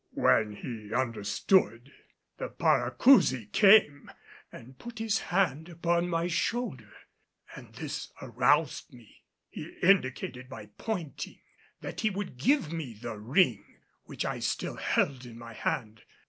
When he understood, the Paracousi came and put his hand upon my shoulder, and this aroused me. He indicated by pointing that he would give me the ring which I still held in my hand.